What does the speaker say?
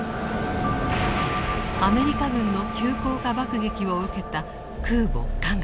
アメリカ軍の急降下爆撃を受けた空母「加賀」。